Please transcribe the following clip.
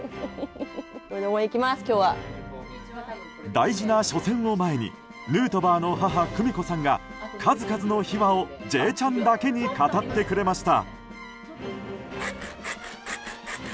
大事な初戦を前にヌートバーの母・久美子さんが数々の秘話を「Ｊチャン」だけに語ってくれました。